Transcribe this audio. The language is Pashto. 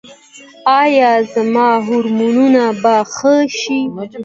ایا زما هورمونونه به ښه شي؟